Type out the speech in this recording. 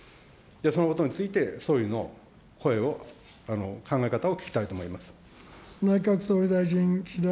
そのことについて、総理の声を、考え方を聞きたいと思います。